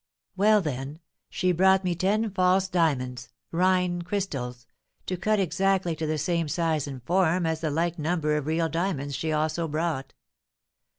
Well, then, she brought me ten false diamonds Rhine crystals to cut exactly to the same size and form as the like number of real diamonds she also brought.